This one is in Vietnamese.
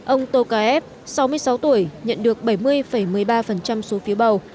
ông tokayev sáu mươi sáu tuổi nhận được bảy mươi một mươi ba số phiếu bầu